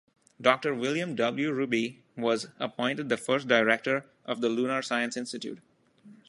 Doctor William W. Rubey was appointed the first director of the Lunar Science Institute.